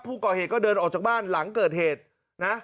ผู้ก่อเหตุก็เดินออกจากบ้านหลังเกิดเหตุนะ